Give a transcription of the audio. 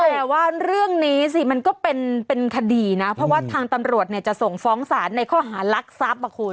แต่ว่าเรื่องนี้สิมันก็เป็นคดีนะเพราะว่าทางตำรวจเนี่ยจะส่งฟ้องศาลในข้อหารักทรัพย์อ่ะคุณ